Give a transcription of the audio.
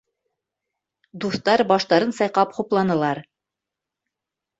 Дуҫтар баштарын сайҡап хупланылар: